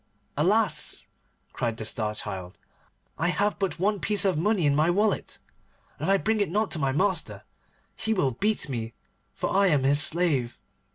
'Alas!' cried the Star Child, 'I have but one piece of money in my wallet, and if I bring it not to my master he will beat me, for I am his slave.